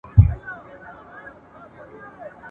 دا په وينو روزل سوي ..